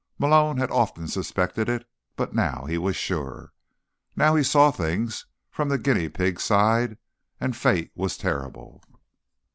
Malone had often suspected it, but now he was sure. Now he saw things from the guinea pig's side, and fate was terrible.